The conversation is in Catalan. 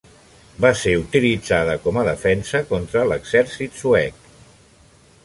Va ser utilitzada com a defensa contra l'exèrcit suec.